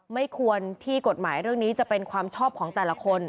ไม่ควรที่กฎหมายเรื่องนี้จะเป็นความชอบของแต่ละคน